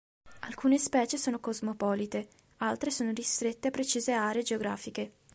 Alcune specie sono cosmopolite, altre sono ristrette a precise aree geografiche.